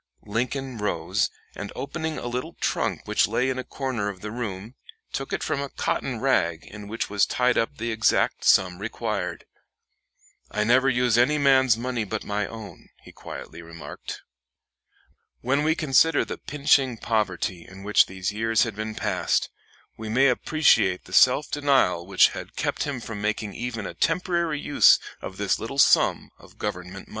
Lincoln rose, and opening a little trunk which lay in a corner of the room, took from it a cotton rag in which was tied up the exact sum required. "I never use any man's money but my own," he quietly remarked. When we consider the pinching poverty in which these years had been passed, we may appreciate the self denial denial which had kept him from making even a temporary use of this little sum of government money.